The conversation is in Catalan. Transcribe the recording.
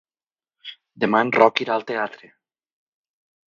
Demà en Roc irà al teatre.